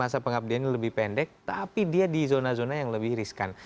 masa pengabdiannya lebih pendek tapi dia di zona zona yang lebih riskan